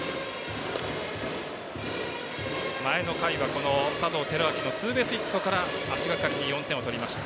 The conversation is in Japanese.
前の回は佐藤輝明のツーベースヒットから足がかりに４点を取りました。